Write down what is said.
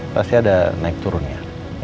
pasti ada naik turunnya